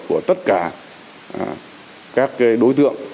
của tất cả các đối tượng